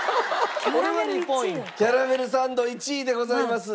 キャラメルサンド１位でございます。